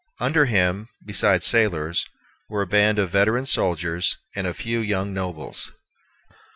Under him, besides sailors, were a band of veteran soldiers, and a few young nobles.